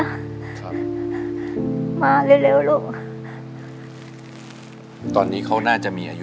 ครับมาเร็วเร็วลูกตอนนี้เขาน่าจะมีอายุ